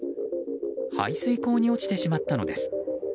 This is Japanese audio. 排水溝に落ちてしまったのです。